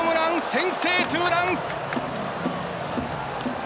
先制ツーラン！